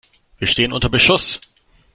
Wir stehen unter Beschuss!